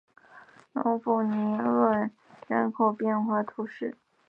隆普尼厄人口变化图示